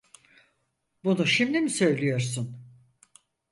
Bunu şimdi mi söylüyorsun?